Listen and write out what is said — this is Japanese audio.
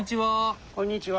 こんにちは。